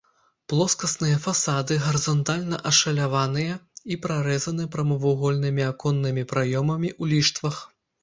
Плоскасныя фасады гарызантальна ашаляваныя і прарэзаны прамавугольнымі аконнымі праёмамі ў ліштвах.